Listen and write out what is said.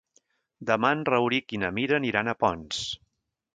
Demà en Rauric i na Mira aniran a Ponts.